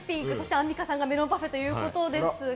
アンミカさんはメロンパフェということですね。